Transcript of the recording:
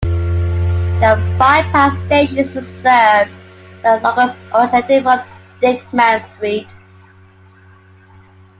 The bypassed stations were served by locals originating from Dyckman Street.